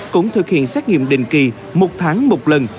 cũng thực hiện xét nghiệm định kỳ một tháng một lần